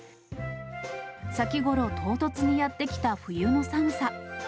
先頃、唐突にやってきた冬の寒さ。